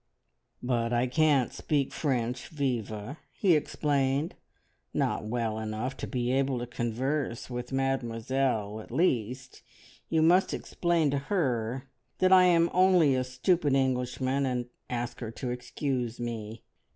"But I can't speak French, Viva," he explained "not well enough to be able to converse with Mademoiselle, at least! You must explain to her that I am only a stupid Englishman, and ask her to excuse me.